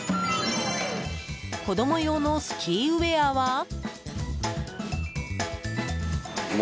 子供用のスキーウェアは。